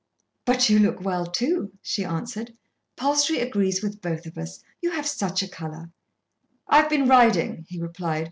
"But you look well, too," she answered. "Palstrey agrees with both of us. You have such a colour." "I have been riding," he replied.